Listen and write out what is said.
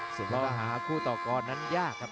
สิ่งที่เราหาคู่ต่อกรนั้นยากครับ